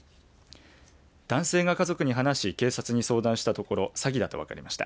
男性が家族に話し警察に相談したところ詐欺だと分かりました。